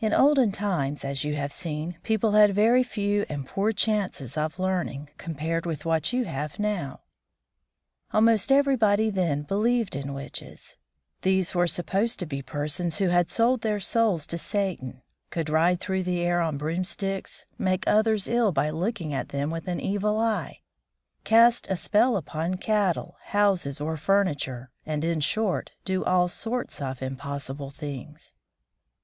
In olden times, as you have seen, people had very few and poor chances of learning, compared with what you have now. Almost everybody then believed in witches. These were supposed to be persons who had sold their souls to Satan, could ride through the air on broomsticks, make others ill by looking at them with an evil eye, cast a spell upon cattle, houses, or furniture, and, in short, do all sorts of impossible things.